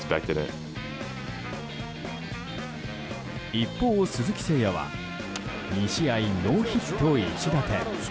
一方、鈴木誠也は２試合ノーヒット１打点。